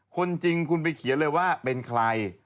คนจริงคุณไปเขียนเลยว่าเป็นใคร